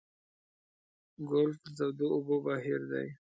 ګلف د تودو اوبو بهیر دی.